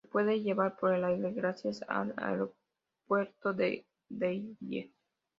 Se puede llega por el aire gracias al Aeropuerto de Dyer.